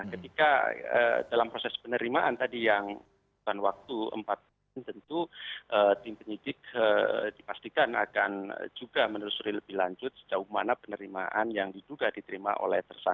ketika dalam proses penerimaan tadi yang bukan waktu empat bulan tentu tim penyidik dipastikan akan juga menelusuri lebih lanjut sejauh mana penerimaan yang diduga diterima oleh tersangka